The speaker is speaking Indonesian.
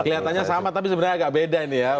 kelihatannya sama tapi sebenarnya agak beda ini ya